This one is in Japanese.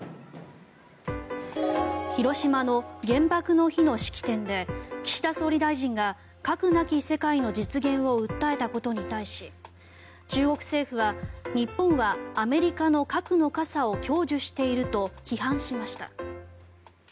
広島の原爆の日の式典で岸田総理大臣が、核なき世界の実現を訴えたことに対し中国政府は日本はアメリカの核の傘を享受していると批判しました。